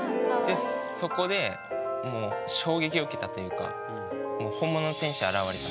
でそこでもう衝撃を受けたというか本物の天使。